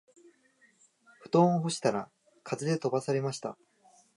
布団を干したら風で飛ばされました